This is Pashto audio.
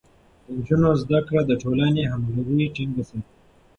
د نجونو زده کړه د ټولنې همغږي ټينګه ساتي.